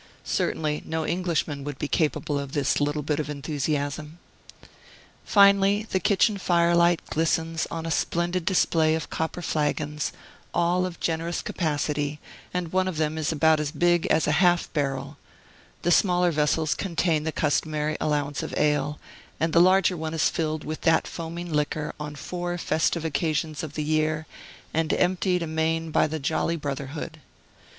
Certainly, no Englishman would be capable of this little bit of enthusiasm. Finally, the kitchen firelight glistens on a splendid display of copper flagons, all of generous capacity, and one of them about as big as a half barrel; the smaller vessels contain the customary allowance of ale, and the larger one is filled with that foaming liquor on four festive occasions of the year, and emptied amain by the jolly brotherhood.